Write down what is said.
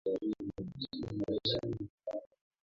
Kwa bahati mbaya wamekuwa na nguvu zaidi